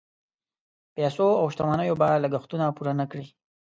پیسو او شتمنیو به لګښتونه پوره نه کړي.